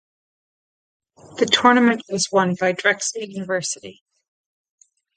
The tournament was won by Drexel University.